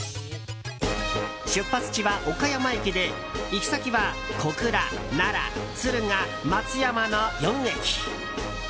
出発地は岡山駅で、行き先は小倉、奈良、敦賀、松山の４駅。